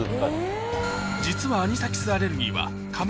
実はアニサキスこのアレルギーの特徴は。